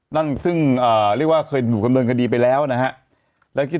นั่นซึ่งเรียกว่าเคยถูกดำเนินคดีไปแล้วนะฮะ